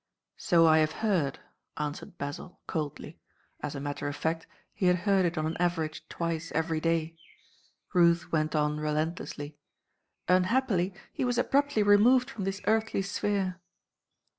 "So I have heard," answered Basil, coldly. As a matter of fact, he had heard it on an average twice every day. Ruth went on relentlessly, "Unhappily he was abruptly removed from this earthly sphere."